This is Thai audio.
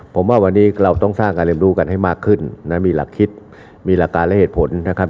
ผมว่าวันนี้เราต้องสร้างการเรียนรู้กันให้มากขึ้นนะมีหลักคิดมีหลักการและเหตุผลนะครับ